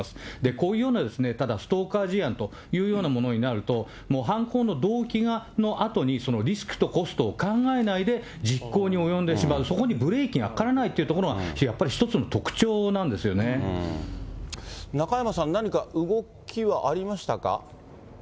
こういうような、ただ、ストーカー事案というものになると、もう犯行の動機のあとに、そのリスクとコストを考えないで実行に及んでしまう、そこにブレーキがかからないというところに、やっぱり１つの特徴中山さん、何か動きはありま